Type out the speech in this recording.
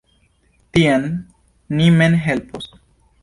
Tiam ni mem helpos!